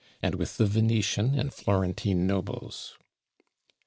and with the Venetian and Florentine nobles.